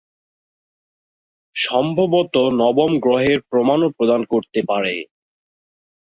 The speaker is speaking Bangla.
সম্ভবত নবম গ্রহের প্রমাণও প্রদান করতে পারে।